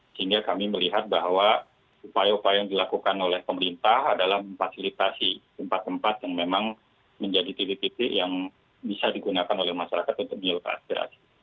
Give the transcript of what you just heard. sehingga kami melihat bahwa upaya upaya yang dilakukan oleh pemerintah adalah memfasilitasi tempat tempat yang memang menjadi titik titik yang bisa digunakan oleh masyarakat untuk di lokasi